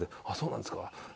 「あっそうなんですか？」